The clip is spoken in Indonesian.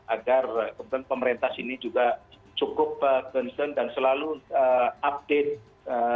agar kemudian pemerintah sini juga cukup concern dan selalu update